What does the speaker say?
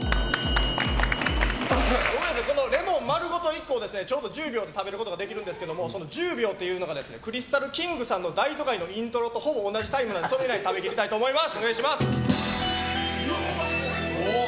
レモン丸ごと１個をちょうど１０秒で食べることができるんですけど１０秒というのがクリスタルキングさんの「大都会」のイントロとほぼ同じタイムなのでそれ以内に食べ切りたいと思います。